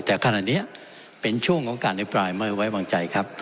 แต่ขณะนี้เป็นช่วงของการอภิปรายไม่ไว้วางใจครับ